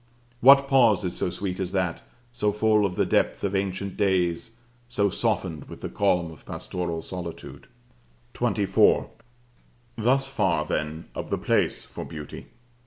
What pause is so sweet as that so full of the depth of ancient days, so softened with the calm of pastoral solitude? XXIV. II. Thus far, then, of the place for beauty.